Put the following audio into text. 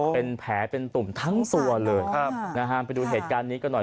เป็นแผลเป็นตุ่มทั้งตัวเลยครับนะฮะไปดูเหตุการณ์นี้กันหน่อย